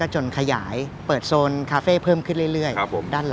จนขยายเปิดโซนคาเฟ่เพิ่มขึ้นเรื่อย